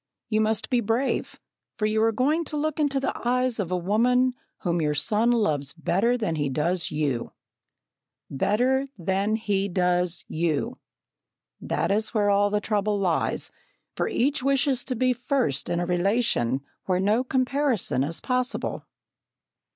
You must be brave, for you are going to look into the eyes of a woman whom your son loves better than he does you!" "Better than he does you!" That is where all the trouble lies, for each wishes to be first in a relation where no comparison is possible.